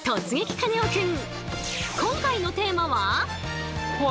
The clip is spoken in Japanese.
カネオくん」。